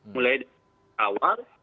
mulai dari awal